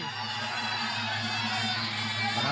กลับมาใกล้